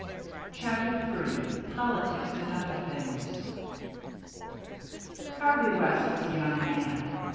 CHAPTER III POLITICS AND OTHER THINGS Harvey West was a young man.